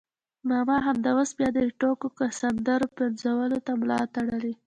ماما همدا اوس بیا د ټوکو سندرو پنځولو ته ملا تړلې.